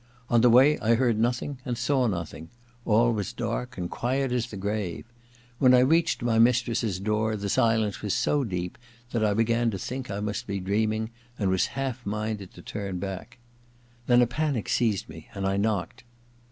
On the way I heard nothing and saw nothing : all was dark and quiet as the grave. When I reached my mistress's door the silence was so deep that I began to think I must be dreaming, and was half minded to turn back. Then a panic seized me, and I knocked.